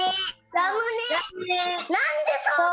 ラムネ。